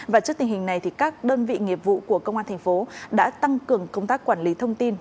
và trước tình hình này các đơn vị nghiệp vụ của công an thành phố đã tăng cường công tác quản lý thông tin